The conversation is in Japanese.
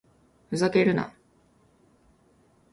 ふざけるな